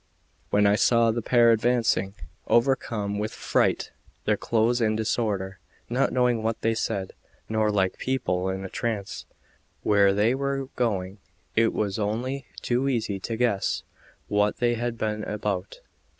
When I saw the pair advancing, overcome with fright, their clothes in disorder, not knowing what they said, nor, like people in a trance, where they were going, it was only too easy to guess what they had been about.